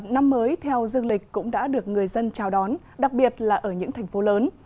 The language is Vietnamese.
năm mới theo dương lịch cũng đã được người dân chào đón đặc biệt là ở những thành phố lớn